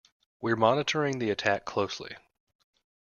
We're monitoring the attack closely.